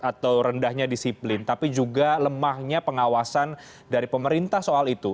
atau rendahnya disiplin tapi juga lemahnya pengawasan dari pemerintah soal itu